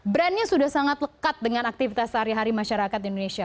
brandnya sudah sangat lekat dengan aktivitas sehari hari masyarakat di indonesia